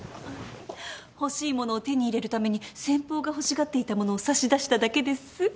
欲しいものを手に入れるために先方が欲しがっていたものを差し出しただけです。